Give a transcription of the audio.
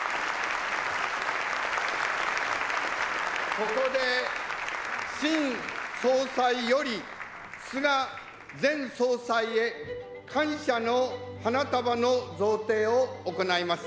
ここで新総裁より菅前総裁へ感謝の花束の贈呈を行います。